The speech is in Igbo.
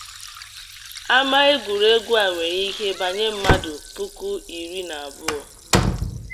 Ama egwuregwu a nwere ike banye mmadụ puku iri na abụọ.